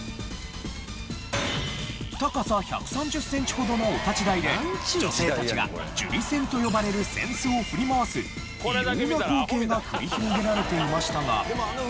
高さ１３０センチほどのお立ち台で女性たちがジュリ扇と呼ばれる扇子を振り回す異様な光景が繰り広げられていましたが。